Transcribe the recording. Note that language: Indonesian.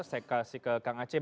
saya kasih ke kang acep